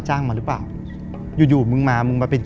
วันต่อก็มีสินค้า